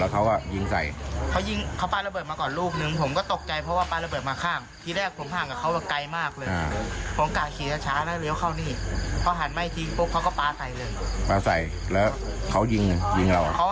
จากเขาปั้นระเบิดปุ๊บผมกลับเด็กหน้าเพื่อเปลี่ยนรถ